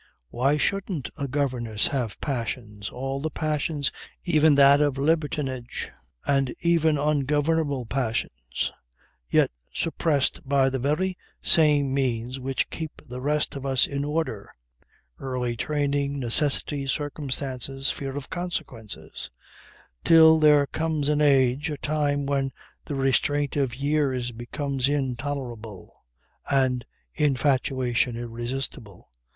Why shouldn't a governess have passions, all the passions, even that of libertinage, and even ungovernable passions; yet suppressed by the very same means which keep the rest of us in order: early training necessity circumstances fear of consequences; till there comes an age, a time when the restraint of years becomes intolerable and infatuation irresistible